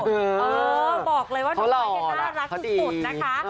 เออบอกเลยว่าหนุ่มใหญ่น่ารักสุดนะคะ